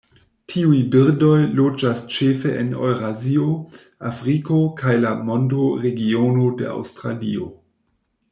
Tiuj birdoj loĝas ĉefe en Eŭrazio, Afriko kaj la mondoregiono de Aŭstralio.